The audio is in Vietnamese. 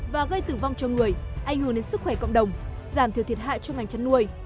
và gây tử vong cho người ảnh hưởng đến sức khỏe cộng đồng giảm thiểu thiệt hại cho ngành chăn nuôi